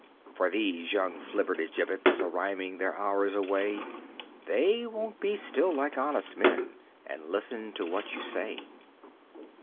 For these young flippertigibbets A rhyming their hours away They won't be still like honest men And listen to what you say.